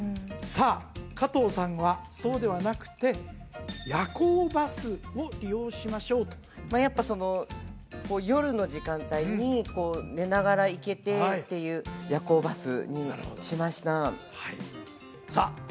さあ加藤さんはそうではなくて夜行バスを利用しましょうとまあやっぱその夜の時間帯に寝ながら行けてっていう夜行バスにしましたさあ